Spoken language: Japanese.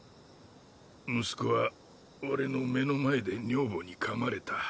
息子は俺の目の前で女房にかまれた。